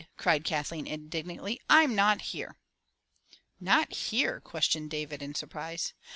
cried Kathleen indignantly. "I'm not here!" "Not here?" questioned David in surprise.